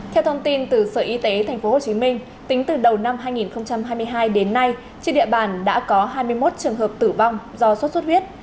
theo thông tin từ sở y tế tp hcm tính từ đầu năm hai nghìn hai mươi hai đến nay trên địa bàn đã có hai mươi một trường hợp tử vong do sốt xuất huyết